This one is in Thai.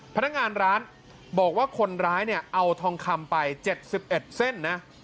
พนักงานร้านบอกว่าคนร้ายเนี่ยเอาทองคำไป๗๑เส้นนะ